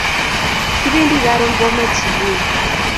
Kipendi karon Bomet subui